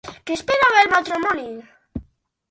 Què esperava el matrimoni?